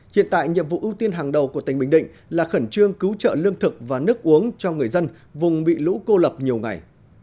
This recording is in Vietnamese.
hiện tại nhiệm vụ ưu tiên hàng đầu của tỉnh bình định là khẩn trương cứu trợ lương thực và nước uống cho người dân vùng bị lũ cô lập nhiều ngày